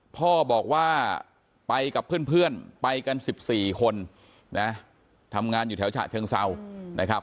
พ่อบอกว่าไปกับเพื่อนไปกัน๑๔คนนะทำงานอยู่แถวฉะเชิงเศร้านะครับ